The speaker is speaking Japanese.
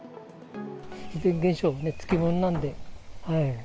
自然現象は付き物なんで。